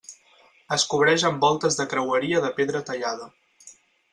Es cobreix amb voltes de creueria de pedra tallada.